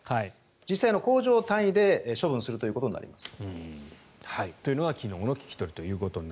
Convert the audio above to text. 実際の工場単位で処分するということになります。